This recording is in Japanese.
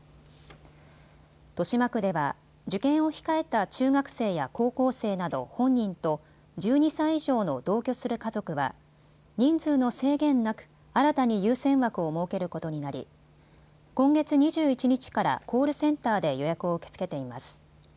豊島区では受験を控えた中学生や高校生など本人と１２歳以上の同居する家族は人数の制限なく新たに優先枠を設けることになり今月２１日からコールセンターで予約を受け付けています。